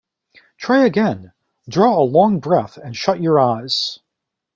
Try again: draw a long breath, and shut your eyes.